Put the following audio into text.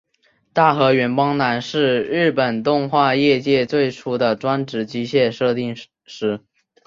大河原邦男是日本动画业界最初的专职机械设定师。